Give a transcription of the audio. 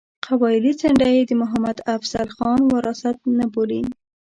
قبایلي څنډه یې د محمد افضل خان وراثت نه بولي.